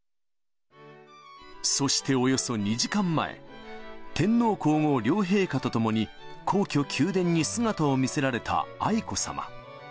そしておよそ２時間前、天皇皇后両陛下と共に、皇居・宮殿に姿を見せられた愛子さま。